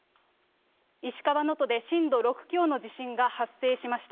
石川能登で震度６強の地震が発生しました。